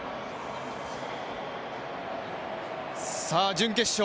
準決勝